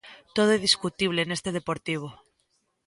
Todo é discutible neste Deportivo.